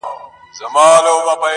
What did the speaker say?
د جینکیو ارمان څۀ ته وایي,